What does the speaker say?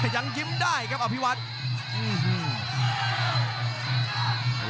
ยังยิ้มได้ครับอัพพิวัตต์